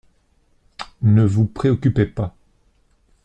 Ne vous préoccupez pas.